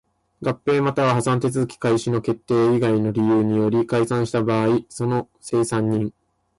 合併又は破産手続開始の決定以外の理由により解散した場合その清算人